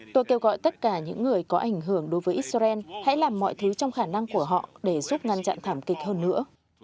tôi kêu gọi tất cả những người có ảnh hưởng đối với israel hãy làm mọi thứ trong khả năng của họ để giúp ngăn chặn thảm kịch hơn nữa